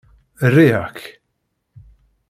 Riɣ-k!